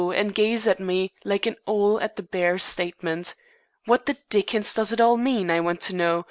and gaze at me like an owl at the bare statement. What the dickens does it all mean, I want to know?